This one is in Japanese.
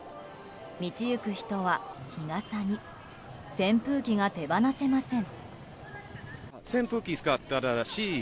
道行く人は日傘に扇風機が手放せません。